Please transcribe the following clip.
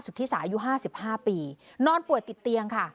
ที่สายุ๕๕ปีนอนป่วยติดเตียงค่ะ